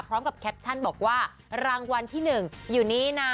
แคปชั่นบอกว่ารางวัลที่๑อยู่นี้นะ